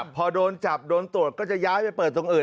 พอโดนจับโดนตรวจก็จะย้ายไปเปิดตรงอื่น